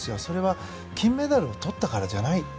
それは金メダルをとったからじゃない。